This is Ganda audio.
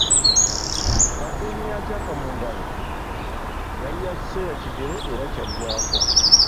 Kkampeyini ya Kyapa Mu Ngalo yali ya kiseera kigere era kyaggwako.